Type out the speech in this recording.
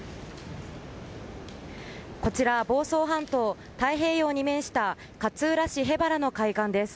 こちら、房総半島の太平洋に面した勝浦市の海岸です。